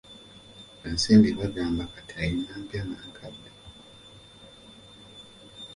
Ensimbi bagamba kati alina empya n'enkadde.